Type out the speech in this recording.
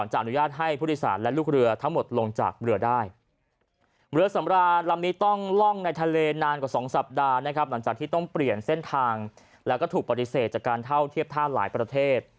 หลังจากที่ต้องเปลี่ยนเส้นทางและก็ถูกปฏิเสธจากการเท่าเทียบท่านหลายประเทศ